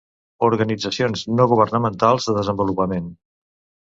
Organitzacions no governamentals de desenvolupament.